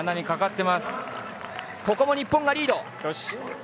ここも日本がリード。